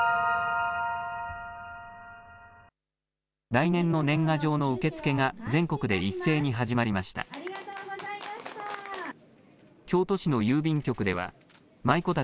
来年の年賀状の受け付けが全国で一斉に始まりました。